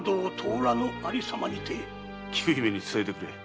菊姫に伝えてくれ。